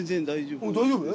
大丈夫？